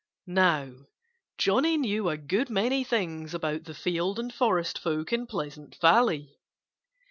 Now, Johnnie knew a good many things about the field and forest folk in Pleasant Valley.